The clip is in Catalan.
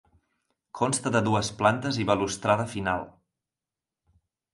Consta de dues plantes i balustrada final.